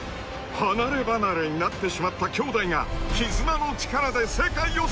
［離れ離れになってしまった兄弟が絆の力で世界を救う！］